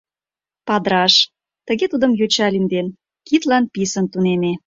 Падыраш, тыге тудым йоча лӱмден, кидлан писын тунеме.